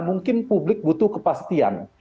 mungkin publik butuh kepastian